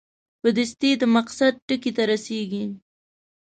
په دستي د مقصد ټکي ته رسېږي.